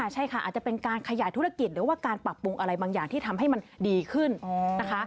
ใช่ค่ะอาจจะเป็นการขยายธุรกิจหรือว่าการปรับปรุงอะไรบางอย่างที่ทำให้มันดีขึ้นนะคะ